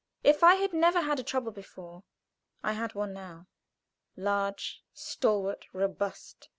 If I had never had a trouble before I had one now large, stalwart, robust.